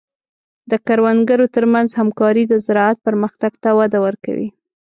د کروندګرو تر منځ همکاري د زراعت پرمختګ ته وده ورکوي.